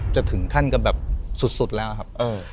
จะถึงขั้นกับแบบสุดแล้วครับ